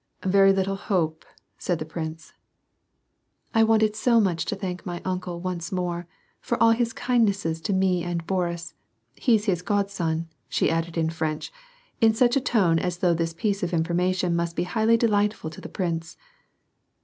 " Very little hope," said the prince. " I wanted so much to thank my uncle once more, for all his kindnesses to me and Boris — he's his godson," she added in French, in such a tone as though this piece of information must be highly delightful to the prince.